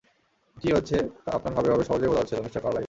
কী হচ্ছে, তা আপনার হাবেভাবে সহজেই বোঝা যাচ্ছিল, মিস্টার কার্লাইল।